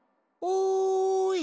おい！